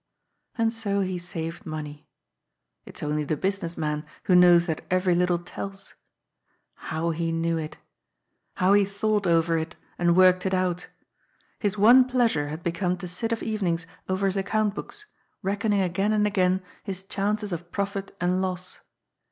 And so he saved money. It's only the business man who knows that every little tells. How he knew it ! How he thought oyer it and worked it out His one pleasure had become to sit of eyenings oyer his account books, reckoning again and again his chances of profit and loss.